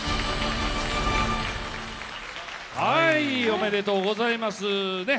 おめでとうございます。